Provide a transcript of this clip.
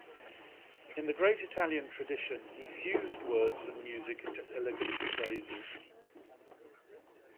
In the great Italian tradition he fused words and music into elegant phrases.